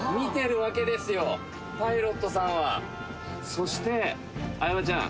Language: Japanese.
そして相葉ちゃん。